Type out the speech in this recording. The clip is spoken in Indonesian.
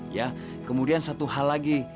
ya kemudian satu hal lagi